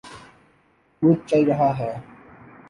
ملک چل رہا ہے۔